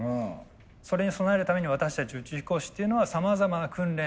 それに備えるために私たち宇宙飛行士っていうのはさまざまな訓練